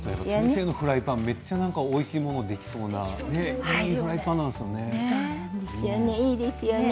先生のフライパンめっちゃおいしいものができそうなフライパンですね。